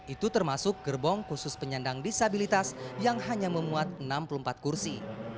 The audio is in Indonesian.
itu termasuk gerbong khusus penyandang disabilitas yang hanya memuat enam puluh empat kursi